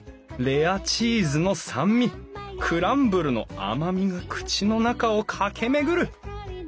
レアチーズの酸味クランブルの甘みが口の中を駆け巡る！